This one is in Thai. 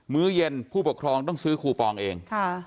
ื้อเย็นผู้ปกครองต้องซื้อคูปองเอง